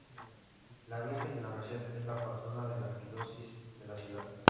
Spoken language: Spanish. La Virgen de la Merced es la Patrona de la Arquidiócesis de la ciudad.